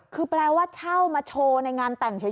คือแปลว่าเช่ามาโชว์ในงานแต่งเฉย